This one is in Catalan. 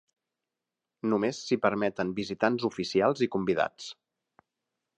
Només s'hi permeten visitants oficials i convidats.